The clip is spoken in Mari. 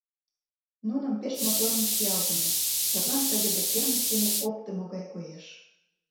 Нуным пеш моторын чиялтыме, садлан тыгыде кермыч дене оптымо гай коеш.